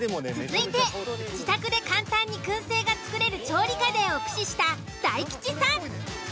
続いて自宅で簡単に燻製が作れる調理家電を駆使した大吉さん。